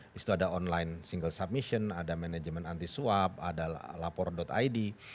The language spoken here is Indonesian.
di situ ada online single submission ada manajemen anti suap ada lapor id